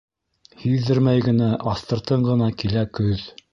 Һиҙҙермәй генә, аҫтыртын ғына килә көҙ.